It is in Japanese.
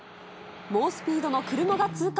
猛スピードの車が通過。